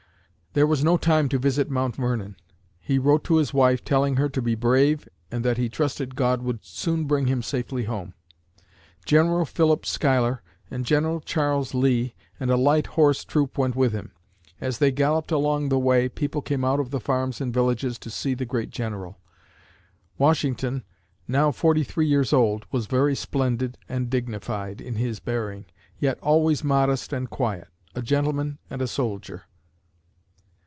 There was no time to visit Mount Vernon. He wrote to his wife, telling her to be brave and that he trusted God would soon bring him safely home. General Philip Schuyler and General Charles Lee and a light horse troop went with him. As they galloped along the way, people came out of the farms and villages to see the great General. Washington, now forty three years old, was very splendid and dignified in his bearing, yet always modest and quiet a gentleman and a soldier.